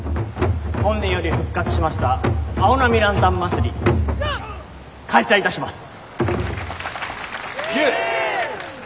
本年より復活しました青波ランタン祭り開催いたします。